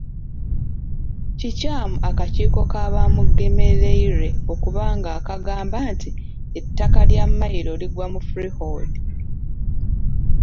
Kikyamu akakiiko ka Bamugemereire okuba ng'akagamba nti ettaka lya Mmayiro ligwa mu Freehold.